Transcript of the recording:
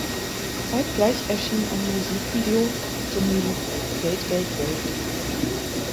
Zeitgleich erschien ein Musikvideo zum Lied "Geld Geld Geld".